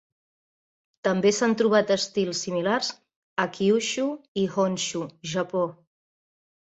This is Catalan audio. També s'han trobat estils similars a Kyushu i Honshu, Japó.